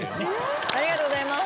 ありがとうございます